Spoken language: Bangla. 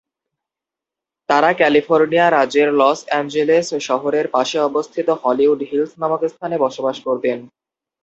তারা ক্যালিফোর্নিয়া রাজ্যের লস অ্যাঞ্জেলেস শহরের পাশে অবস্থিত হলিউড হিলস নামক স্থানে বসবাস করতেন।